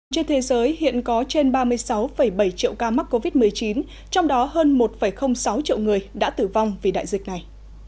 trên thế giới hiện có trên ba mươi sáu bảy triệu ca mắc covid một mươi chín trong đó hơn một sáu triệu người đã tử vong vì đại dịch này